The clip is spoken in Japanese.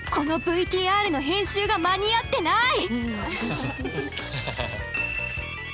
このＶＴＲの編集が間に合ってない！